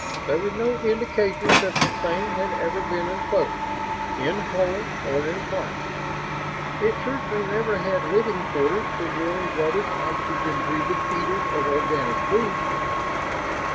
There were no indications that the thing had ever been enclosed, in whole or in part. It certainly never had living quarters for warm blooded, oxygen breathing eaters of organic food."